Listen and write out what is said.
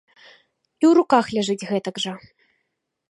І ў руках ляжыць гэтак жа.